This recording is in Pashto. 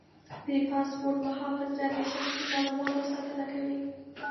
د پاسورډ محافظت د شخصي معلوماتو ساتنه کوي.